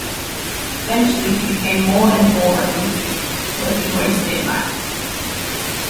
Eventually he became more and more reclusive, working mostly at night.